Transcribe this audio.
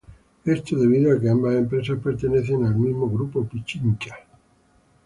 Esto debido a que ambas empresas pertenecen al mismo Grupo Pichincha.